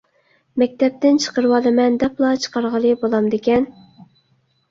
مەكتەپتىن چىقىرىۋالىمەن دەپلا چىقارغىلى بولامدىكەن؟